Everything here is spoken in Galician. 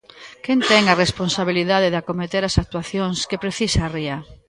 Quen ten a responsabilidade de acometer as actuacións que precisa a ría?